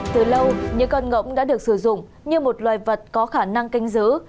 từ lâu những con ngỗng đã được sử dụng như một loài vật có khả năng canh giữ